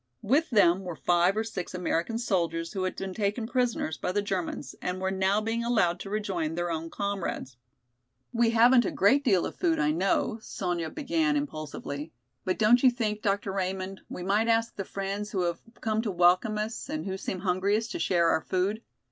With them were five or six American soldiers who had been taken prisoners by the Germans and were now being allowed to rejoin their own comrades. "We haven't a great deal of food, I know," Sonya began impulsively. "But don't you think, Dr. Raymond, we might ask the friends who have come to welcome us and who seem hungriest to share our food?